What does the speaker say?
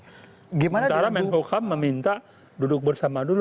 sementara kemenkumham meminta duduk bersama dulu